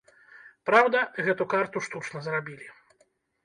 Праўда, гэту карту штучна зрабілі.